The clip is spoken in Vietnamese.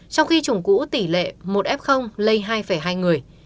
trong khi chủng cũ tỷ lệ một f lây hai hai người